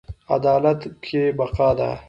عدالت کې بقا ده